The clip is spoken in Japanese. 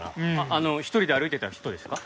あの１人で歩いてた人ですか？